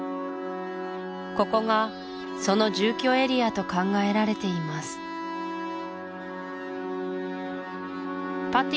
ここがその住居エリアと考えられています